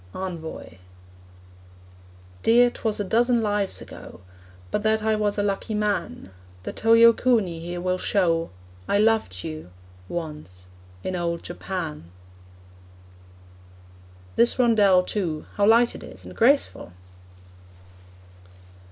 ENVOY. Dear, 'twas a dozen lives ago; But that I was a lucky man The Toyokuni here will show: I loved you once in old Japan! This rondel, too how light it is, and graceful!